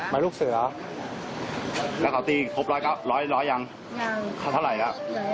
แล้วสาเหตุที่ทำโทษนี่คืออะไรนะ